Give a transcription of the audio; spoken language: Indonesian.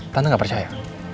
tante nggak percaya